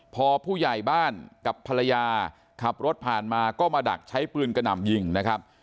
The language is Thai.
พอผู้ใหญ่บ้านกับภรรยาขับรถผ่านมาก็มาดักใช้ปืนกระหน่ำยิงนะครับ